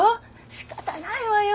しかたないわよ。